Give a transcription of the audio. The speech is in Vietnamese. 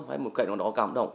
hay một cảnh nào đó cảm động